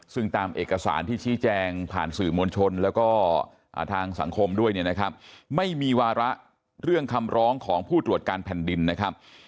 ซึ่งตามเอกสารที่ชี้แจงผ่านสื่อมวลชนแล้วก็ทางสังคมด้วยเนี่ยนะครับไม่มีวาระเรื่องคำร้องของผู้ตรวจการแผ่นดินนะครับ